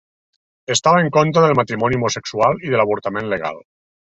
Estava en contra del matrimoni homosexual i de l'avortament legal.